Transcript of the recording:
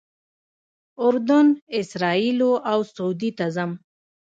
اردن، اسرائیلو او سعودي ته ځم.